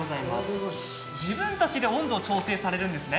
自分たちで温度を調整されるんですね？